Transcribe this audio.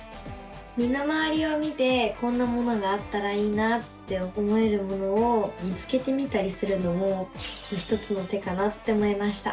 身の回りを見てこんなものがあったらいいなって思えるものを見つけてみたりするのも一つの手かなって思いました。